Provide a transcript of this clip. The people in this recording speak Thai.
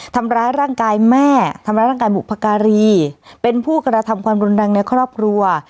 ทำร้ายร่างกายแม่ทำร้ายร่างกายบุพการีเป็นผู้กระทำความรุนแรงในครอบครัว